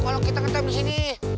kalo kita ngetem disini